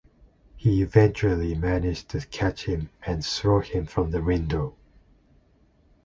He eventually managed to catch him and throw him from the window.